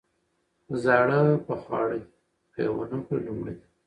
ـ زاړه په خواړه دي، که يې ونخوري نو مړه دي.